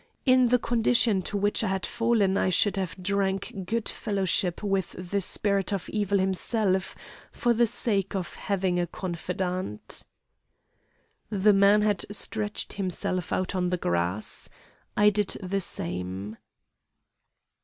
In the condition to which I had fallen I should have drank good fellowship with the spirit of evil himself for the sake of having a confidant. "The man had stretched himself out on the grass. I did the same.